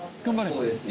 そうですね。